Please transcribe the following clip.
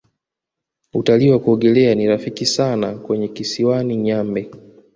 Utalii wa kuogelea ni rafiki sana kwenye kisiwani nyambe